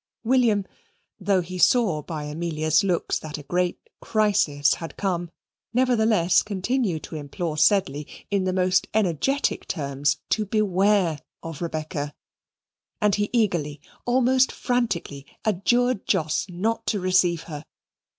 William, though he saw by Amelia's looks that a great crisis had come, nevertheless continued to implore Sedley, in the most energetic terms, to beware of Rebecca; and he eagerly, almost frantically, adjured Jos not to receive her.